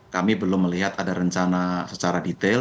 kami belum melihat ada rencana secara detail